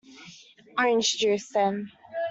Orange juice, then.